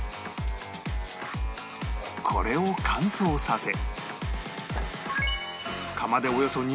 これを乾燥させ